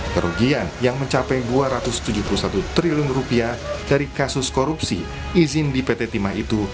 kerugian yang mencapai rp dua ratus tujuh puluh satu triliun dari kasus korupsi izin di pt timah itu